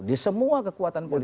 di semua kekuatan politik